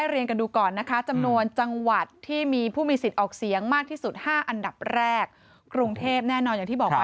เรามาไล่เรียนกันดูก่อนนะคะ